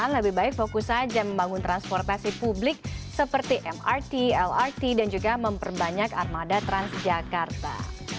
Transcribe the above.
lebih baik fokus saja membangun transportasi publik seperti mrt lrt dan juga memperbanyak armada transjakarta